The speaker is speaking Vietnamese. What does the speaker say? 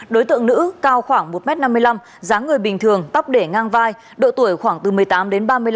đối tượng nữ cao khoảng một m năm mươi năm dáng người bình thường tóc để ngang vai độ tuổi khoảng từ một mươi tám đến ba mươi năm